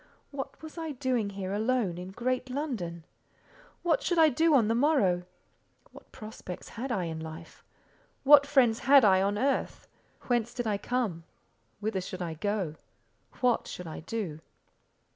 What was I doing here alone in great London? What should I do on the morrow? What prospects had I in life? What friends had I on, earth? Whence did I come? Whither should I go? What should I do?